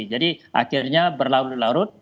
jadi akhirnya berlarut larut